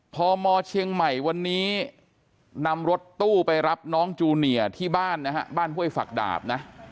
พมเชียงใหม่วันนี้นำรถตู้ไปรับน้องจูเนียร์ที่บ้านนะฮะบ้านห้วยฝักดาบนะ